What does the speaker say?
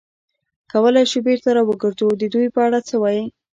کولای شو بېرته را وګرځو، د دوی په اړه څه وایې؟